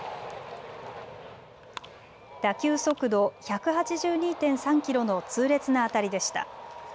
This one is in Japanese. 打球速度１８２．３キロの痛烈な当たりでした。